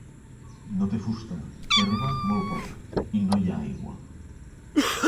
No té fusta, herba molt poc, i no hi ha aigua.